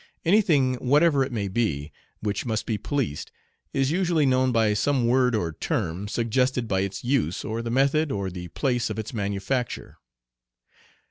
Any thing whatever it may be which must be policed, is usually known by some word or term suggested by its use or the method or the place of its manufacture.